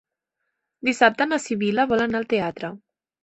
Dissabte na Sibil·la vol anar al teatre.